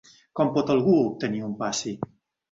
Com pot algú obtenir un passi?